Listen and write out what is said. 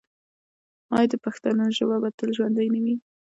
آیا د پښتنو ژبه به تل ژوندی نه وي؟